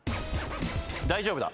大丈夫だ。